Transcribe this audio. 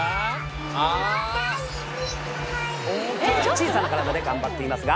小さな体で頑張っていますが。